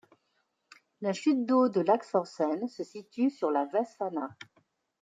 La chute d'eau de Laksforsen se situe sur la Vefsna.